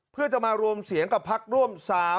เพื่อจะมารวมเสียงกับพักร่วม๓